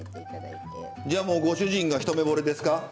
じゃあもうご主人が一目ぼれですか？